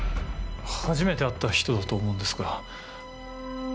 初めて会った人だと思うんですが。